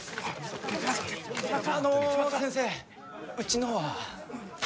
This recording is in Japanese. あの先生うちのは？